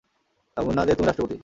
এমন না যে, তুমি রাষ্ট্রপতি।